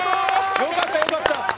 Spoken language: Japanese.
よかったよかった。